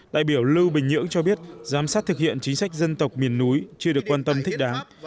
đại biểu lưu bình nhưỡng cho biết giám sát thực hiện chính sách dân tộc miền núi chưa được quan tâm thích đáng